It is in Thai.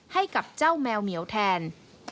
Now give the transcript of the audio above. ให้กับเจ้าแมวเหมียวแทน